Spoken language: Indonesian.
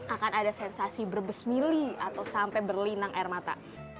akan ada sensasi berbes mili atau sampai berlinang air mata